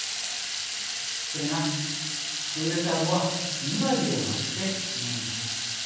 それがクーデター後は２割を割ってしまいました。